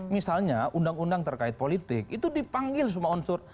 misalnya undang undang terkait politik itu dipanggil semua unsur